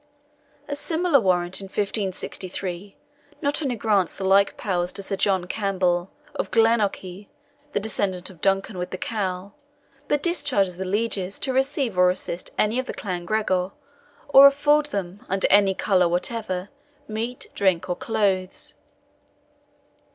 A similar warrant in 1563, not only grants the like powers to Sir John Campbell of Glenorchy, the descendant of Duncan with the Cowl, but discharges the lieges to receive or assist any of the clan Gregor, or afford them, under any colour whatever, meat, drink, or clothes.